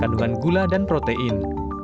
kandungan gula dan protein